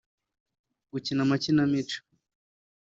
gukina amakinamico